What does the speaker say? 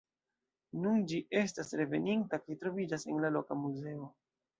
Nun ĝi estas reveninta kaj troviĝas en la loka muzeo.